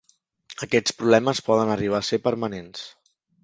Aquests problemes poden arribar a ser permanents.